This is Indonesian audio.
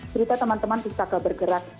cerita teman teman pustaka bergerak